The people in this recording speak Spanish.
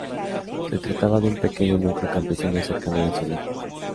Se trataba de un pequeño núcleo campesino cercano a la ciudad.